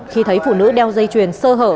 khi thấy phụ nữ đeo dây chuyền sơ hở